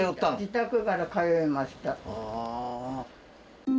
自宅から通いました。